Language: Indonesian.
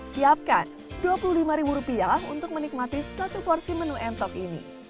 siapkan dua puluh lima rupiah untuk menikmati satu porsi menu entok ini